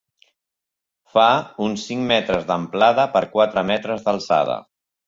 Fa uns cinc metres d'amplada per quatre metres d'alçada.